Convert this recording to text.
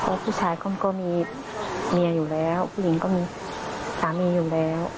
เพราะผู้ชายเขาก็มีเมียอยู่แล้วผู้หญิงก็มีสามีอยู่แล้ว